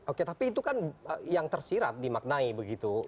oke tapi itu kan yang tersirat dimaknai begitu